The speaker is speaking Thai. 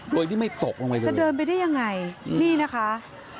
โดยที่ไม่ตกลงไปเลยจะเดินไปได้ยังไงนี่นะคะ